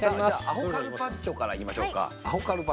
「アホカルパッチョ」からいきましょうか。